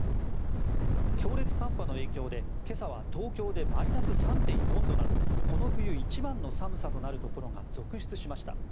強烈寒波の影響で今朝は東京でマイナス３．４度などこの冬一番の寒さとなるところが続出しました。